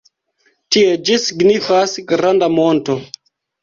Tie ĝi signifas "granda monto".